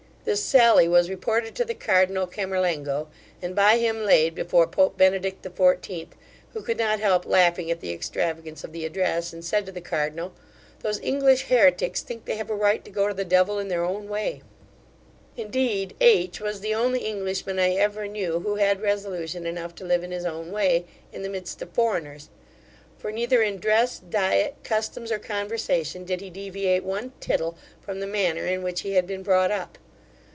This sally was reported to the cardinal Camerlengo, and by him laid before pope Benedict XIV, who could not help laughing at the extravagance of the address, and said to the cardinal, 'Those English heretics think they have a right to go to the devil in their own way.' Indeed H was the only Englishman I ever knew, who had resolution enough to live in his own way, in the midst of foreigners; for, neither in dress, diet, customs, or conversation, did he deviate one tittle from the manner in which he had been brought up.